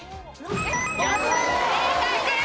正解です。